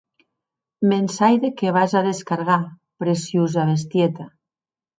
Me’n sai de qué vas a descargar, preciosa bestieta.